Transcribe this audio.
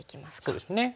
そうですね。